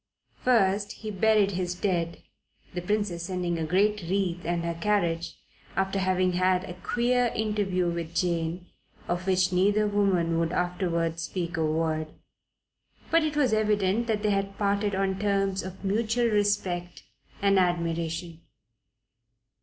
First, he buried his dead, the Princess sending a great wreath and her carriage, after having had a queer interview with Jane, of which neither woman would afterwards speak a word; but it was evident that they had parted on terms of mutual respect and admiration.